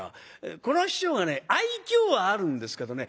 この師匠がね愛嬌はあるんですけどね